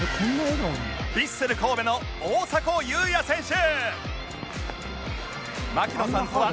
ヴィッセル神戸の大迫勇也選手